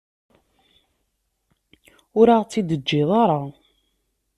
Ur aɣ-tt-id-teǧǧiḍ ara.